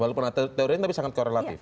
walaupun teorinya tapi sangat korelatif